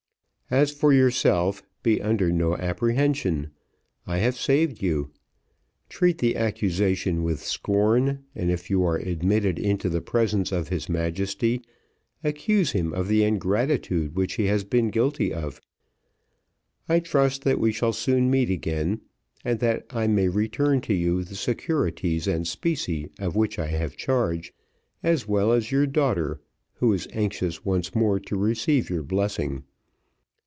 As for yourself, be under no apprehension, I have saved you. Treat the accusation with scorn, and if you are admitted into the presence of his Majesty, accuse him of the ingratitude which he has been guilty of; I trust that we shall soon meet again, that I may return to you the securities and specie of which I have charge, as well as your daughter, who is anxious once more to receive your blessing.